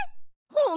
うん。